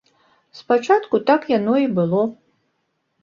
Спачатку так яно і было.